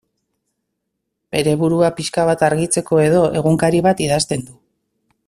Bere burua pixka bat argitzeko-edo egunkari bat idazten du.